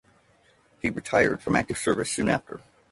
He retired from active service soon after.